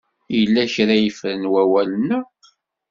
Yella kra ay ffren wawalen-a.